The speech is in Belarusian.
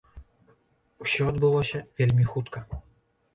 Усё адбылося вельмі хутка.